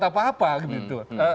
tidak akan membuat apa apa